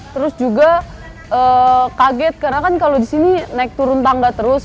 terus juga kaget karena kan kalau di sini naik turun tangga terus